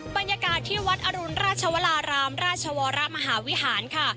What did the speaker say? บรรยากาศที่วัดอรุณราชวรารามราชวรมหาวิหารค่ะ